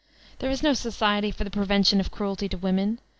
There is no society for the pre vention of cruelty to women.